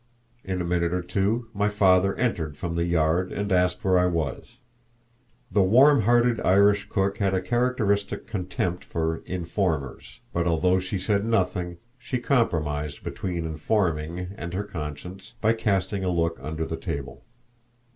In a minute or two my father entered from the yard and asked where I was. The warm hearted Irish cook had a characteristic contempt for "informers," but although she said nothing she compromised between informing and her conscience by casting a look under the table.